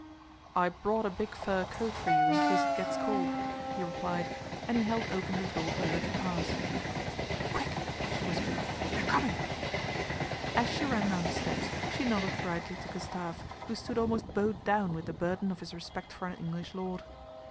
" I brought a big fur coat for you in case it gets cold," he replied, and he held open the door for her to pass. " Quick," she whispered, " they're coming." As she ran down the steps she nodded brightly to Gustave, who stood almost bowed down with the burden of his respect for an English lord.